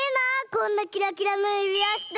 こんなキラキラのゆびわして。